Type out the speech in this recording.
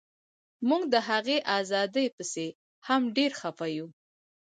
موږ د هغې ازادۍ پسې هم ډیر خفه یو